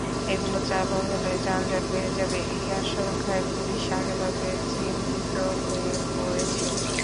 এগুলো চালু হলে যানজট বেড়ে যাবে—এই আশঙ্কায় পুলিশ আগেভাগে চিন্তিত হয়ে পড়েছে।